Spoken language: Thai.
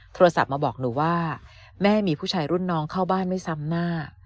โทรศัพท์มาบอกหนูว่าแม่มีผู้ชายรุ่นน้องเข้าบ้านไม่ซ้ำหน้า